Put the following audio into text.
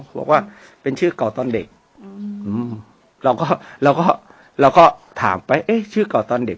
บอกว่าเป็นชื่อเก่าตอนเด็กเราก็เราก็ถามไปเอ๊ะชื่อเก่าตอนเด็ก